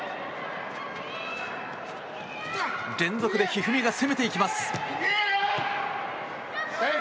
連続で一二三が攻めていきます。